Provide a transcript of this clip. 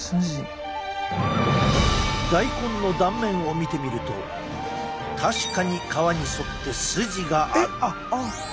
大根の断面を見てみると確かに皮に沿って筋がある。